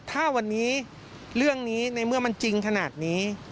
ถ้าวันนี้เรื่องนี้ในเมื่อมันจริงขนาดนี้